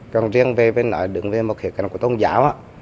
còn riêng về nội đứng về một khía cạnh của tôn giáo